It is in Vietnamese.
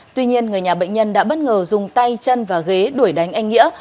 tuy nhiên người nhà bệnh nhân đã bất ngờ dùng tay chân và ghế đuổi đánh anh nghĩa